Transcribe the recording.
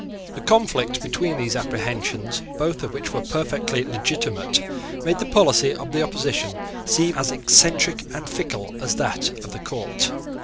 The conflict between these apprehensions, both of which were perfectly legitimate, made the policy of the Opposition seem as eccentric and fickle as that of the Court.